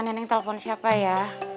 neneng telepon siapa ya